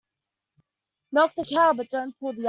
Milk the cow but don't pull off the udder.